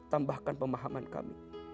tambahkan pemahaman kami